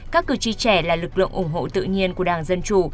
các cử tri trẻ là lực lượng ủng hộ tự nhiên của đảng dân chủ